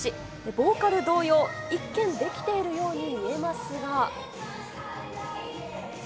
ボーカル同様、一見、できているように見えますが。